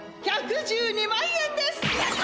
１１２万円です」。